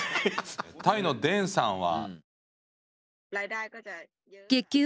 タイのデーンさんは？